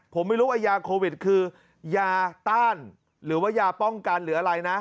ผมไม่รู้ว่ายาโควิดคือยาต้านหรือว่ายาป้องกันหรืออะไรนะ